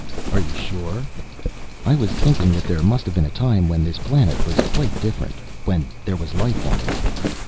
"Are you sure?" "I was thinking that there must have been a time when this planet was quite different, when there was life on it."